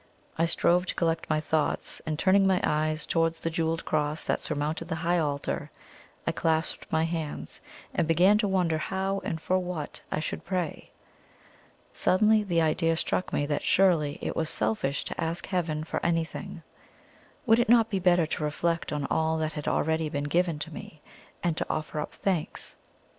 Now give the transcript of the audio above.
I strove to collect my thoughts, and turning my eyes towards the jewelled cross that surmounted the high altar, I clasped my hands, and began to wonder how and for what I should pray. Suddenly the idea struck me that surely it was selfish to ask Heaven for anything; would it not be better to reflect on all that had already been given to me, and to offer up thanks?